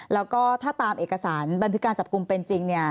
แล้วก็ถ้าตามเอกสารบันทึกการจับกลุ่มเป็นจริงเนี่ย